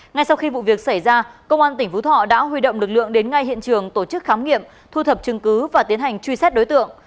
ngay sau khi vụ việc xảy ra công an tỉnh phú thọ đã huy động lực lượng đến ngay hiện trường tổ chức khám nghiệm thu thập chứng cứ và tiến hành truy xét đối tượng